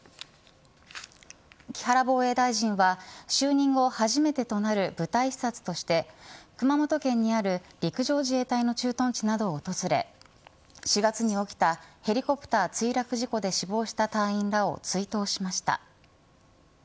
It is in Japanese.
木原防衛大臣は就任後初めてとなる部隊視察として熊本県にある陸上自衛隊の駐屯地などを訪れ４月に起きたヘリコプター墜落事故で死亡した隊員らを追悼しました。